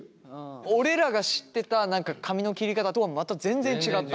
俺らが知ってた何か髪の切り方とはまた全然違った。